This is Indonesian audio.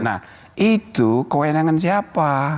nah itu kewenangan siapa